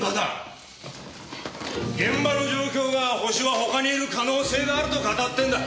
現場の状況がホシは他にいる可能性があると語ってんだ！